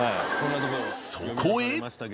そこへ！